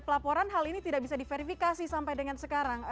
pelaporan hal ini tidak bisa diverifikasi sampai dengan sekarang